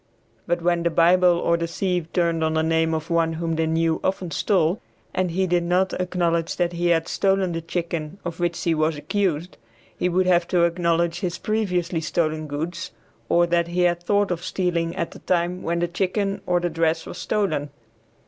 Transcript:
But when the Bible or the sieve turned on the name of one whom they knew often stole, and he did not acknowledge that he had stolen the chicken of which he was accused, he would have to acknowledge his previously stolen goods or that he had thought of stealing at the time when the chicken or the dress was stolen.